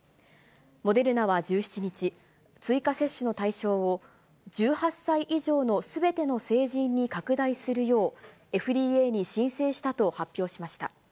モデルナは１７日、追加接種の対象を、１８歳以上のすべての成人に拡大するよう、ＦＤＡに申請したと発表しました。